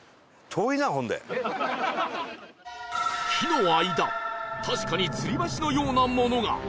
木の間確かに吊り橋のようなものが